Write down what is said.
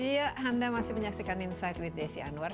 iya anda masih menyaksikan inside with desi anwar